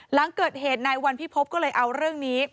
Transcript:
หลังเกิดเหตุนายวันพิพบก็เลยเอาเรื่องนี้